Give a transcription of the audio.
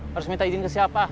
harus minta izin ke siapa